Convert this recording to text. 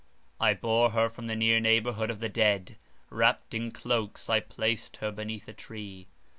I bore her from the near neighbourhood of the dead; wrapt in cloaks, I placed her beneath a tree.